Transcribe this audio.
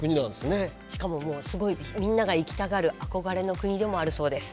しかもみんなが行きたがる憧れの国でもあるそうです。